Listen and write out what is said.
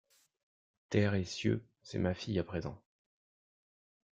Terre et cieux! c’est ma fille à présent !